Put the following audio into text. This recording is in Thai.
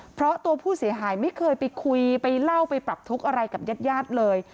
เพราะตัวผู้เสียหายไม่เคยไปคุยไปเล่าไปปรับทุกข์อะไรกับญาติญาติเลย